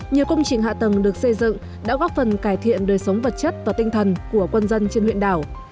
nhiều công trình hạ tầng được xây dựng đã góp phần cải thiện đời sống vật chất và tinh thần của quân dân trên huyện đảo